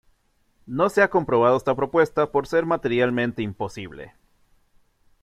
No se ha comprobado esta propuesta por ser materialmente imposible.